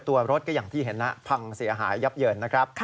ตัวรถก็อย่างที่ที่เห็นพังเสียหายยับเยิน